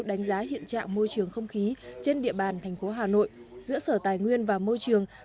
đánh giá hiện trạng môi trường không khí trên địa bàn thành phố hà nội giữa sở tài nguyên và môi trường